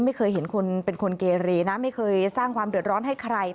ไม่เคยเห็นคนเป็นคนเกเรนะไม่เคยสร้างความเดือดร้อนให้ใคร